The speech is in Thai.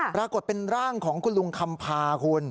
ปรากฏเป็นร่างของคุณลุงคำพาคุณ